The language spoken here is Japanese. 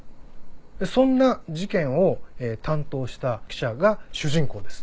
そんな事件を担当した記者が主人公です。